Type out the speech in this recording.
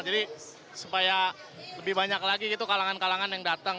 jadi supaya lebih banyak lagi gitu kalangan kalangan yang datang